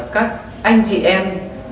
các anh chị em